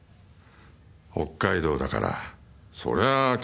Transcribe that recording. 北海道だからそりゃあ毛がにでしょ。